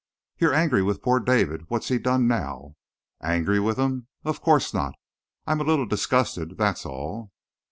"You're angry with poor David. What's he done now?" "Angry with him? Of course not! I'm a little disgusted, that's all."